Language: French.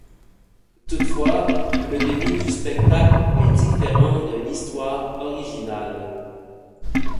Toutefois le début du spectacle est différent de l'histoire originale.